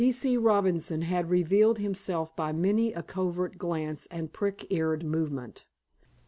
P. C. Robinson had revealed himself by many a covert glance and prick eared movement.